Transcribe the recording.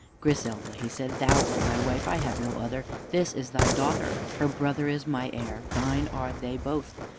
"Griselda," he said, "thou art my wife. I have no other. This is thy daughter; her brother is my heir. Thine are they both.